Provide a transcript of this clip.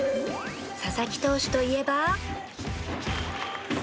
佐々木投手といえば